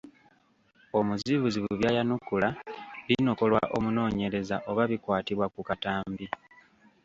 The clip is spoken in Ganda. Omuzibuzi by’ayanukula binokolwa omunoonyereza oba bikwatibwa ku katambi.